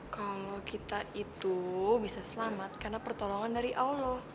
kalau kita itu bisa selamat karena pertolongan dari allah